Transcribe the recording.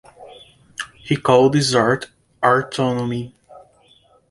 He called this art "Artonomy".